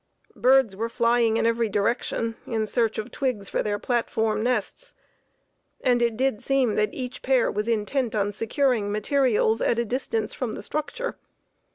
Birds were flying in every direction in search of twigs for their platform nests, and it did seem that each pair was intent on securing materials at a distance from the structure.